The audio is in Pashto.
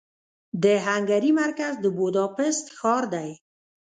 د هنګري مرکز د بوداپست ښار دې.